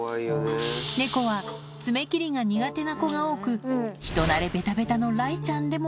猫は爪切りが苦手な子が多く、人なれべたべたの雷ちゃんでも。